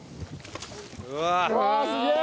うわすげえ！